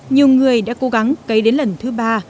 nhiều người đã cố gắng cấy đến lần thứ ba